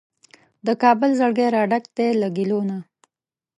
د کابل زړګی راډک دی له ګیلو نه